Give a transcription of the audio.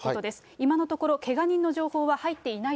今のところ、けが人の情報は入っ